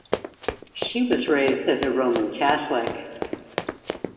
She was raised as a Roman Catholic.